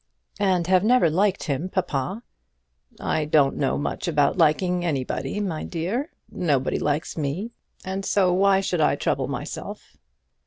"And have never liked him, papa." "I don't know much about liking anybody, my dear. Nobody likes me, and so why should I trouble myself?"